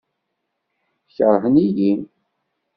Keṛhen-iyi?